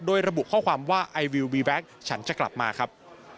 โดยระบุข้อความว่าไอวิววีแบ็คฉันจะกลับมาครับ